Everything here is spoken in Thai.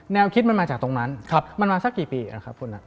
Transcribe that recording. แนวคิดมันมาจากตรงนั้นมันมาสักกี่ปีนะครับคุณนัท